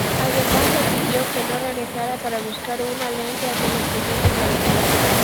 Además le pidió que no regresara para buscar una alianza ante los procesos electorales.